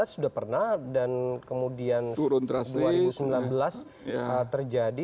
dua ribu lima belas sudah pernah dan kemudian dua ribu sembilan belas terjadi